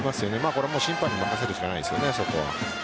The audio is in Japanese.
これはもう審判に任せるしかないですよね。